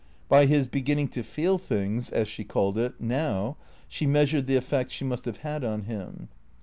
By his beginning to feel things (as she called it) now, she meas ured the effect she must have had on him.